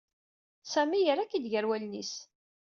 Sami yerra-k-id gar wallen-is.